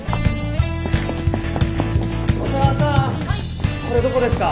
小佐川さんこれどこですか？